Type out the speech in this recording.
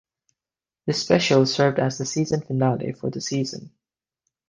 This special served as the season finale for the season.